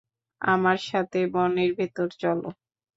আমার সাথে বনের ভেতর চলো।